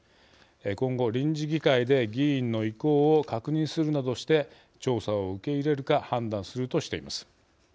今後、臨時議会で議員の意向を確認するなどして調査を受け入れるか判断するとしています。